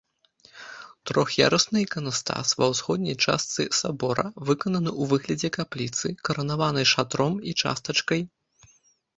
Трох'ярусны іканастас ва ўсходняй частцы сабора выкананы ў выглядзе капліцы, каранаванай шатром і частачкай.